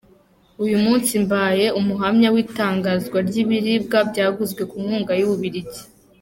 Uyu munsi mbaye umuhamya w’itangwa ry’ibiribwa byaguzwe ku nkunga y’u Bubiligi.